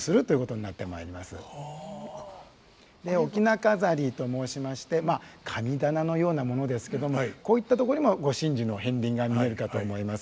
翁飾りと申しましてまあ神棚のようなものですけどもこういったとこにもご神事の片鱗が見えるかと思います。